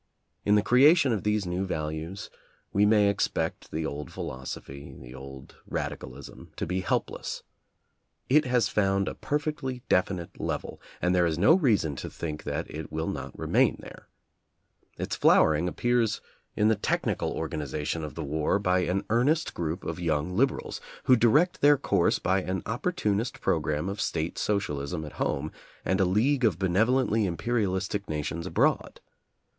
In the creation of these new values, we may expect the old philosophy, the old radicalism, to be helpless. It has found a perfectly definite level, and there is no reason to think that it will not remain there. Its flowering appears in the technical organization of the war by an earnest group of young liberals, who direct their course by an opportunist programme of State socialism at home and a league of benevolently imperialistic nations abroad.